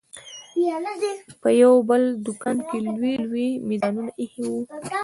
په يو بل دوکان کښې لوى لوى مېزونه ايښي وو.